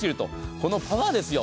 このパワーですよ。